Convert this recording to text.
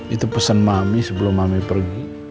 itu pesan mami sebelum mami pergi